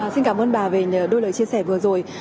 xin cảm ơn bà về đôi lời chia sẻ vừa rồi